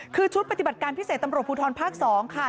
คือชุดปฏิบัติการพิเศษตำรวจภูทรภาค๒ค่ะ